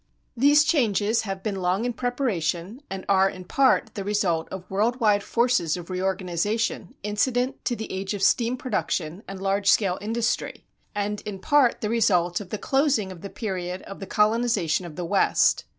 These changes have been long in preparation and are, in part, the result of world wide forces of reorganization incident to the age of steam production and large scale industry, and, in part, the result of the closing of the period of the colonization of the West.